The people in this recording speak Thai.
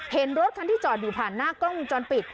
เห็นรถคันที่จอดอยู่ผ่านหน้ากล้องวงจรปิด